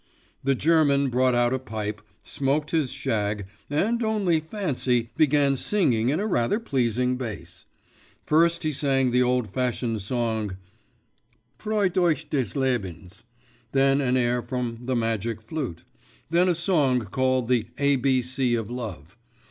The German brought out a pipe, smoked his shag, and, only fancy, began singing in a rather pleasing bass. First he sang the old fashioned song: 'Freut euch des Lebens,' then an air from the 'Magic Flute,' then a song called the 'A B C of Love.